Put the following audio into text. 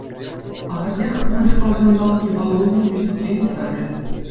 Ахӑртнех, кунашкал ҫанталӑк юпа уйӑхӗн вӗҫӗччен тӑрӗ.